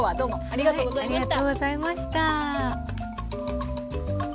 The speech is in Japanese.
ありがとうございます。